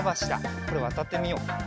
これわたってみよう。